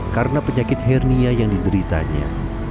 karena penyakit hernia yang dideritanya